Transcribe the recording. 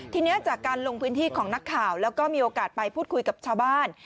ทีนี้จากการลงพื้นที่ของนักข่าวแล้วก็มีโอกาสไปพูดคุยกับชาวบ้าน